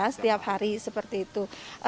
setiap hari seperti itu